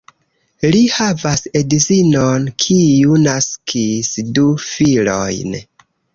Li havas edzinon, kiu naskis du filojn.